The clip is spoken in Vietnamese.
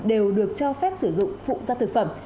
đều được cho phép sử dụng phụ gia thực phẩm